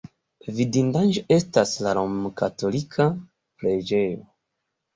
Vidindaĵo estas la romkatolika preĝejo.